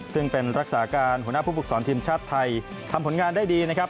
ซึ่งเป็นรักษาการหัวหน้าผู้ฝึกสอนทีมชาติไทยทำผลงานได้ดีนะครับ